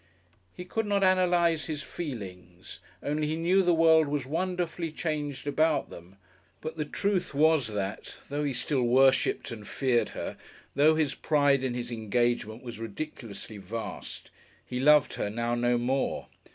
He could not analyse his feelings, only he knew the world was wonderfully changed about them, but the truth was that, though he still worshipped and feared her, though his pride in his engagement was ridiculously vast, he loved her now no more.